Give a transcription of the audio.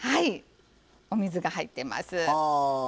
お水が入っています。